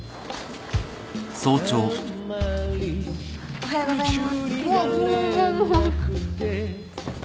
おはようございます。